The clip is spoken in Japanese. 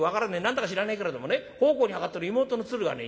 何だか知らねえけれどもね奉公に上がってる妹の鶴がね